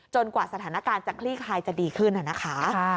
กว่าสถานการณ์จะคลี่คลายจะดีขึ้นนะคะ